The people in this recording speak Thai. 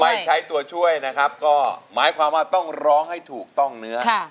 ใช้ตัวช่วยนะครับก็หมายความว่าต้องร้องให้ถูกต้องเนื้อ